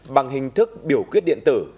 bằng hình thức biểu quyết điện tử